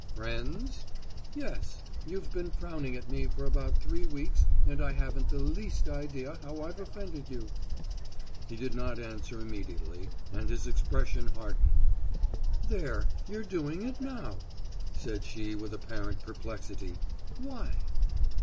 "Friends?" "Yes. You've been frowning at me for about three weeks and I haven't the least idea how I've offended you." He did not answer immediately and his expression hardened. "There, you're doing it now," said she with apparent perplexity. "Why?"